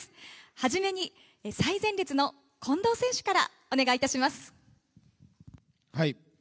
はじめに最前列の近藤選手からお願いいたします。